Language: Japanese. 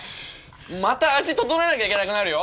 また味調えなきゃいけなくなるよ！